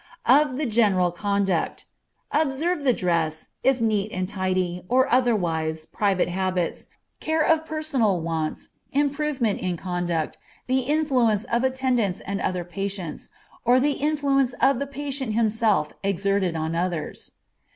Of the general conduct. Observe the dress, if neat and tidy, or otherwise, private habits, care of personal wants, improvement in conduct, the influence of attendants and other patients, or the influence the patient himself exerts on others.